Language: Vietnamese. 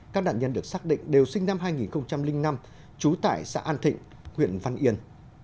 các nạn nhân được xác định đều sinh năm hai nghìn năm trú tại xã an thịnh huyện văn yên